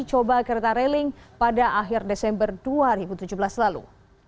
coba kereta railing pada akhir desember dua ribu tujuh belas lalu